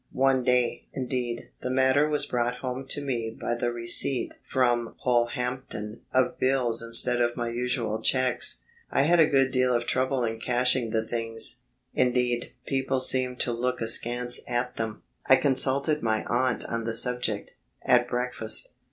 One day, indeed, the matter was brought home to me by the receipt from Polehampton of bills instead of my usual cheques. I had a good deal of trouble in cashing the things; indeed, people seemed to look askance at them. I consulted my aunt on the subject, at breakfast.